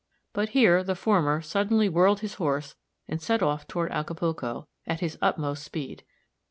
but here the former suddenly whirled his horse and set off toward Acapulco, at his utmost speed.